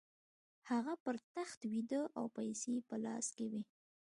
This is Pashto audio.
هغه پر تخت ویده او پیسې یې په لاس کې وې